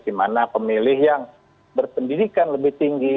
di mana pemilih yang berpendidikan lebih tinggi